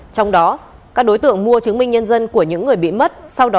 trong đó các đối tượng mua chứng minh nhân dân của những người bị mất